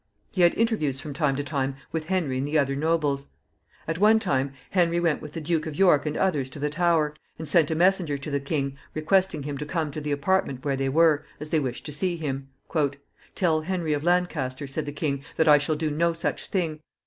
He had interviews from time to time with Henry and the other nobles. At one time Henry went with the Duke of York and others to the Tower, and sent a messenger to the king, requesting him to come to the apartment where they were, as they wished to see him. "Tell Henry of Lancaster," said the king, "that I shall do no such thing.